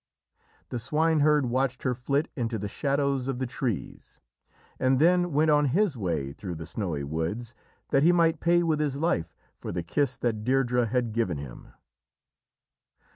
The swineherd watched her flit into the shadows of the trees, and then went on his way, through the snowy woods, that he might pay with his life for the kiss that Deirdrê had given him.